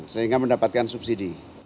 sehingga mendapatkan subsidi